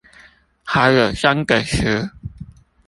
還有三個十